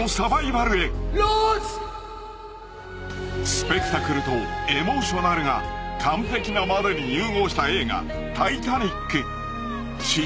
［スペクタクルとエモーショナルが完璧なまでに融合した映画『タイタニック』］